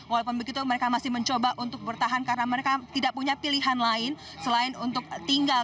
walaupun begitu mereka masih mencoba untuk bertahan karena mereka tidak punya pilihan lain selain untuk tinggal